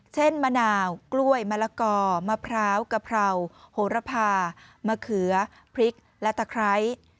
มะนาวกล้วยมะละกอมะพร้าวกะเพราโหระพามะเขือพริกและตะไคร้